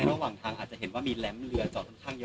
และระหว่างทางอาจจะเห็นว่ามีแรมเรือเจาะทั้งข้างเยอะ